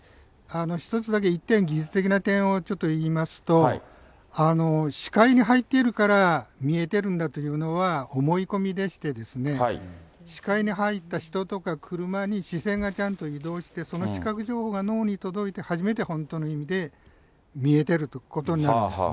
一つだけ１点、技術的な点をちょっと言いますと、視界に入っているから、見えてるんだというのは思い込みでして、視界に入った人とか車に視線がちゃんと移動して、その視覚情報が脳に届いて、初めて本当の意味で、見えてることになるんですね。